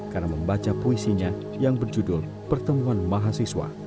karena membaca puisinya yang berjudul pertemuan mahasiswa